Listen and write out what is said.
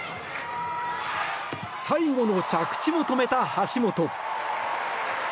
最後の着地も止めた橋本。